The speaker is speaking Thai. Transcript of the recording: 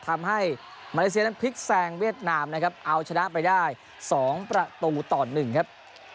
ทำให้มาเลเซียนั้นพลิกแซงเวียดนามนะครับเอาชนะไปได้๒ประตูต่อ๑ครับ